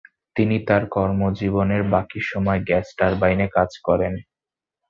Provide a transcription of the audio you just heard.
তিনি তার কর্মজীবনের বাকি সময় গ্যাস টারবাইনে কাজ করেন।